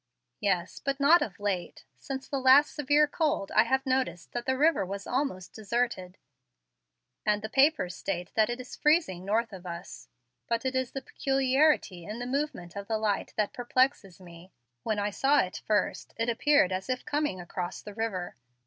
"Yes, but not of late. Since the last severe cold I have noticed that the river was almost deserted, and the papers state that it is freezing north of us. But it is the peculiarity in the movement of the light that perplexes me. When I saw it first, it appeared as if coming across the river.